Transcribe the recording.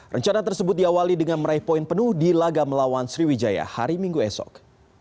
rencana tersebut diawali dengan meraih poin penuh di laga melawan sriwijaya hari minggu esok